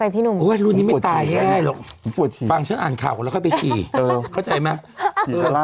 ให้พี่หนุ่มค่ะวาสนไปพี่คุณดำขอสักหนึ่งประโยคได้ไหมคะ